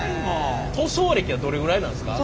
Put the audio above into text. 塗装歴はどれぐらいなんですか？